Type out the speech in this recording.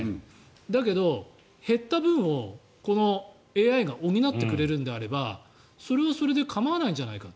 だけど、減った分をこのＡＩが補ってくれるのであればそれはそれで構わないんじゃないかと。